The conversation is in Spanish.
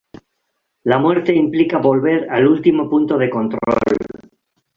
La muerte implica volver al último punto de control.